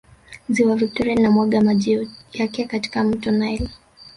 ziwa victoria linamwaga maji yake katika mto nile